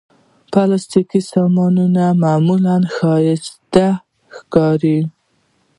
پلاستيکي سامانونه معمولا ښايسته ښکاري.